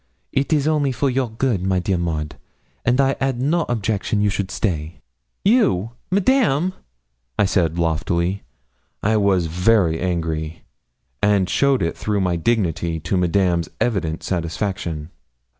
It is only for a your good, my dear Maud, and I had no objection you should stay.' 'You! Madame!' I said loftily. I was very angry, and showed it through my dignity, to Madame's evident satisfaction.